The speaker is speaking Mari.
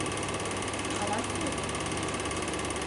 — Каласет?